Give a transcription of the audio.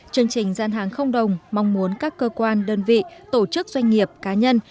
chương trình gian hàng không đồng mong muốn các cơ quan đơn vị tổ chức doanh nghiệp cá nhân